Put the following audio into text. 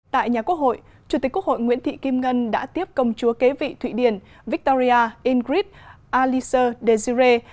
tại nhà quốc hội chủ tịch quốc hội nguyễn thị kim ngân đã tiếp công chúa kế vị thụy điển victoria ingrid aliser dejiure